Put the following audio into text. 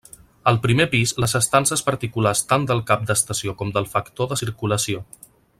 Al primer pis les estances particulars tant del cap d'estació com del factor de circulació.